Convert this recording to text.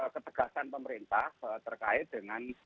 ketegasan pemerintah terkait dengan